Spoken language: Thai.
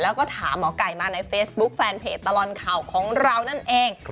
แล้วก็ถามหมอไก่มาในเฟซบุ๊คแฟนเพจตลอดข่าวของเรานั่นเอง